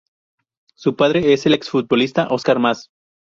Su padre es el ex futbolista Oscar Mas.